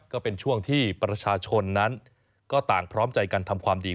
ก็เป็นช่วงที่ประชาชนนั้นก็ต่างพร้อมใจกันทำความดี